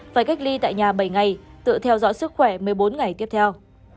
phải cách ly tại nhà bảy ngày tự theo dõi sức khỏe một mươi bốn ngày tiếp theo